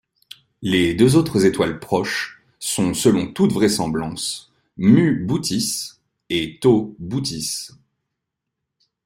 Les deux autres étoiles proches sont selon toute vraisemblance υ Bootis et τ Bootis.